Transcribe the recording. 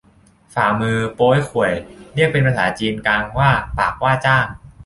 ฝ่ามือโป๊ยข่วย เรียกเป็นภาษาจีนกลางว่า ปากว้าจ่าง